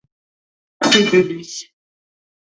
C’est de lui.